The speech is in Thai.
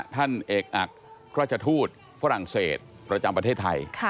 ท่านเอกอักราชทูตฝรั่งเศสประจำประเทศไทย